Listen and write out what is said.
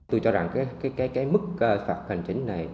tôi cho rằng cái mức hành chính này